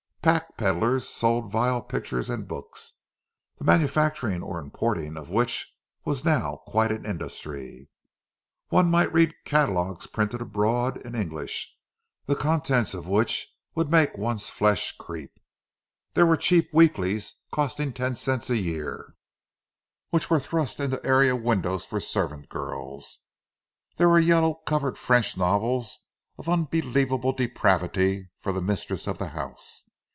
Pack pedlers sold vile pictures and books—the manufacturing or importing of which was now quite an industry; one might read catalogues printed abroad in English, the contents of which would make one's flesh creep. There were cheap weeklies, costing ten cents a year, which were thrust into area windows for servant girls; there were yellow covered French novels of unbelievable depravity for the mistress of the house.